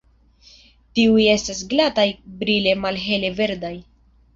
Tiuj estas glataj, brile malhele verdaj.